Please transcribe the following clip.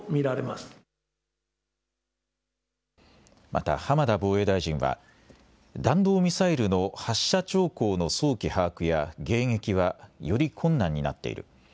また浜田防衛大臣は、弾道ミサイルの発射兆候の早期把握や迎撃はより困難になっている。